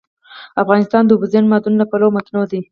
افغانستان د اوبزین معدنونه له پلوه متنوع دی.